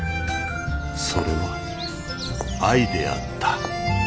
それは愛であった。